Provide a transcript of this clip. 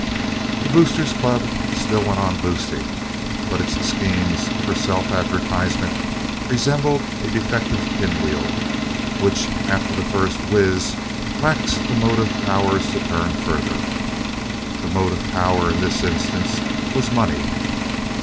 The Boosters Club still went on boosting, but its schemes for self advertisement resembled a defective pin wheel, which, after the first whiz, lacks the motive powers to turn further. The motive power in this instance was money.